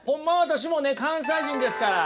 私もね関西人ですから。